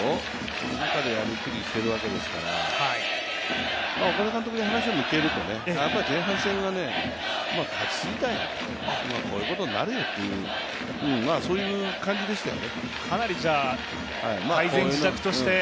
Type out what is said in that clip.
その中でやりくりしているわけですから、岡田監督に話を向けると前半戦は勝ちすぎたんよと、こういうことになるよとそういう感じでしたよね。